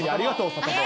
サタボー。